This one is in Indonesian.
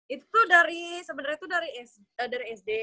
itu tuh dari sebenarnya tuh dari sd